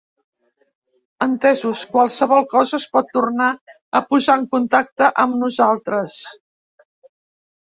Entesos, qualsevol cosa es pot tornar a posar en contacte amb nosaltres.